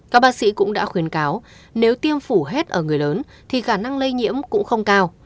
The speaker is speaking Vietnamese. các bác sĩ cũng đã khuyến cáo nếu tiêm phủ hết ở người lớn thì khả năng lây nhiễm cũng không cao